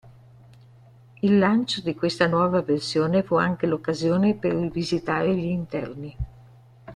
Il lancio di questa nuova versione fu anche l'occasione per rivisitare gli interni.